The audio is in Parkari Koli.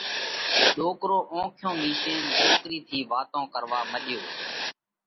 ڏوڪرو اونکيون ميشينَ ڏوڪرِي ٿِي واتون ڪروا مڏيو۔